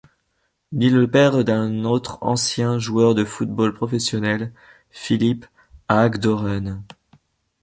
Il est le père d'un autre ancien joueur de football professionnel, Philip Haagdoren.